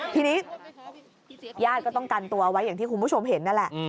ทีนี้ญาติก็ต้องกันตัวไว้อย่างที่คุณผู้ชมเห็นนั่นแหละ